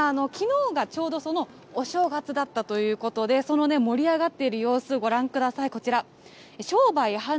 きのうがちょうどそのお正月だったということで、その盛り上がっている様子、ご覧ください。